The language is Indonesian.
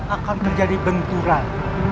akan terjadi benturan